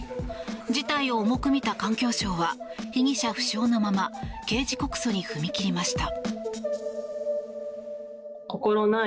事態を重く見た環境省は被疑者不詳のまま刑事告訴に踏み切りました。